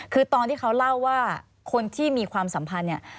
คือตอนที่เขาเล่าว่าคนที่มีความสัมพันธ์เนี่ย